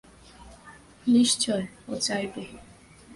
নিশ্চয়, ও চাইবে।